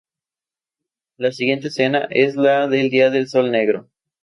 La siguiente escena es la del Día del Sol Negro.